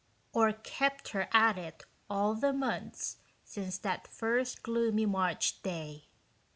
or kept her at it all the months since that first gloomy March day.